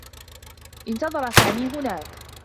انتظر سامي هناك.